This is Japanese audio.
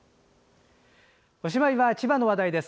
おしまいは千葉の話題です。